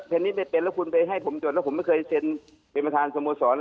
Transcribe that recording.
นี้ไม่เป็นแล้วคุณไปให้ผมจดแล้วผมไม่เคยเซ็นเป็นประธานสโมสรเลย